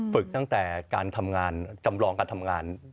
ตั้งแต่การทำงานจำลองการทำงาน